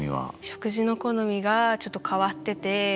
食事の好みがちょっと変わってて。